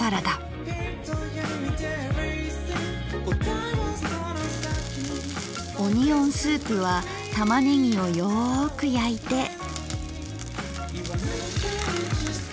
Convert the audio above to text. オニオンスープはたまねぎをよく焼いて。